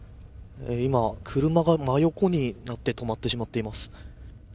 今、車が真横になって止まってしまっています。